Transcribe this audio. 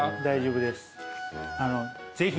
大丈夫です。